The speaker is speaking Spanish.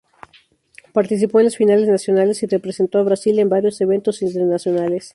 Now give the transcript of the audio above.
Participó en las finales nacionales y representó a Brasil en varios eventos internacionales.